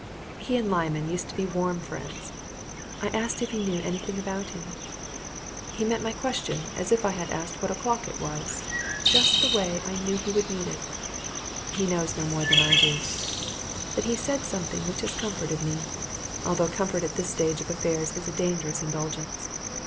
He and Lyman used to be warm friends. I asked if he knew anything about him. He met my question as if I had asked what o'clock it was, just the way I knew he would meet it. He knows no more than I do. But he said something which has comforted me, although comfort at this stage of affairs is a dangerous indulgence.